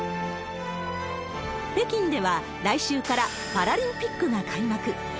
北京では、来週からパラリンピックが開幕。